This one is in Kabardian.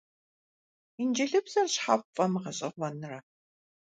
Инджылызыбзэр щхьэ пфӀэмыгъэщӀэгъуэнрэ?